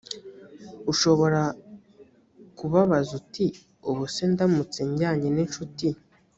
ushobora kubabaza uti ubu se ndamutse njyanye n incuti